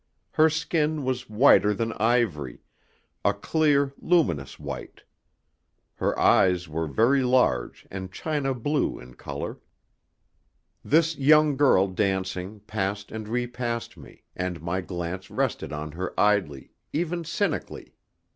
Her skin was whiter than ivory a clear, luminous white. Her eyes were very large and china blue in colour. This young girl dancing passed and repassed me, and my glance rested on her idly, even cynically.